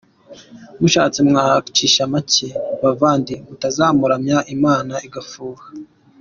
Mushatse mwacisha make bavandi, mutazamuramya Imana igafuha.